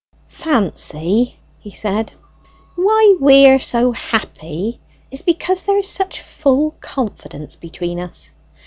"Fancy," he said, "why we are so happy is because there is such full confidence between us.